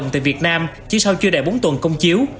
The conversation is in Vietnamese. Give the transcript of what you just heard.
tại việt nam chỉ sau chưa đầy bốn tuần công chiếu